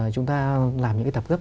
chúng ta làm những cái tập gấp